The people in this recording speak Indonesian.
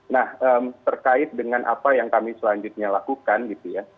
nah terkait dengan apa yang kami selanjutnya lakukan gitu ya